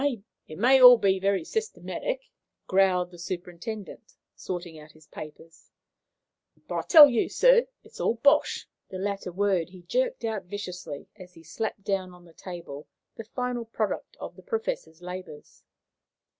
"It may be all very systematic," growled the superintendent, sorting out his papers, "but I tell you, sir, it's all BOSH!" The latter word he jerked out viciously, as he slapped down on the table the final product of the Professor's labours.